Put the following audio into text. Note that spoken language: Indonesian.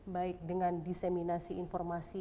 baik dengan diseminasi informasi